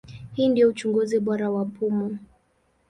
Hii ndio uchunguzi bora wa pumu.